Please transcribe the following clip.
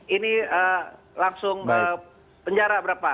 ini langsung penjara berapa